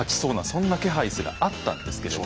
そんな気配すらあったんですけれども。